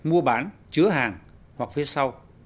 mua bán chứa hàng hoặc phía sau